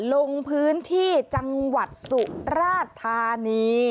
ลงพื้นที่จังหวัดสุราธานี